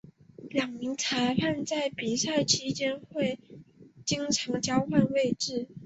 两名裁判在比赛期间会经常交换位置。